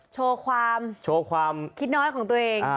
โชว์ความคิดน้อยของตัวเองโชว์ความ